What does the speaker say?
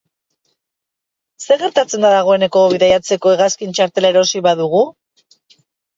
Zer gertatzen da dagoeneko bidaiatzeko hegazkin-txartela erosi badugu?